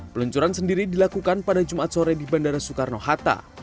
peluncuran sendiri dilakukan pada jumat sore di bandara soekarno hatta